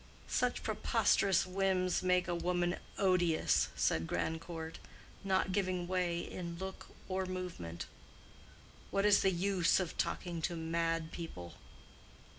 "Such preposterous whims make a woman odious," said Grandcourt, not giving way in look or movement. "What is the use of talking to mad people?"